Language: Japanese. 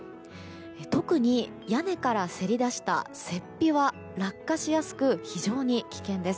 特に、屋根からせり出した雪庇は落下しやすく非常に危険です。